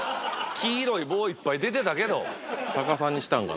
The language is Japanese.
黄色い棒いっぱい出てたけど。